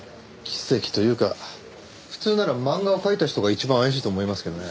奇跡というか普通なら漫画を描いた人が一番怪しいと思いますけどね。